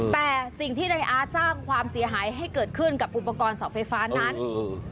แต่สิ่งที่ในอาร์ตสร้างความเสียหายให้เกิดขึ้นกับอุปกรณ์เสาไฟฟ้านั้นอืม